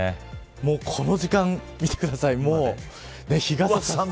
この時間、見てください。